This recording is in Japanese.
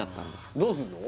どうすんの？